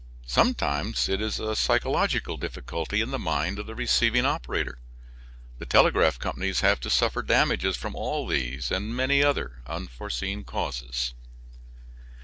Sometimes it is a psychological difficulty in the mind of the receiving operator. The telegraph companies have to suffer damages from all these and many other unforeseen causes.